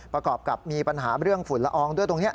ประกอบกับมีปัญหาเรื่องฝุ่นละอองด้วยตรงนี้